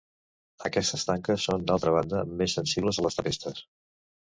Aquestes tanques són d'altra banda més sensibles a les tempestes.